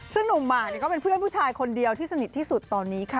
ซึ่งหนุ่มหมากก็เป็นเพื่อนผู้ชายคนเดียวที่สนิทที่สุดตอนนี้ค่ะ